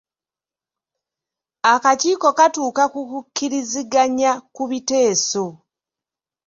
Akakiiko katuuka ku kukkiriziganya ku biteeso.